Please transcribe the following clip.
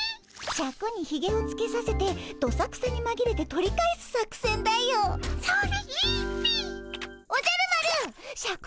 シャクにひげをつけさせてどさくさにまぎれて取り返す作戦であろう。